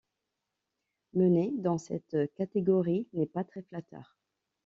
Mener dans cette catégorie n'est pas très flatteur.